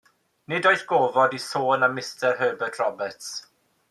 Nid oes gofod i sôn am Mistar Herbert Roberts.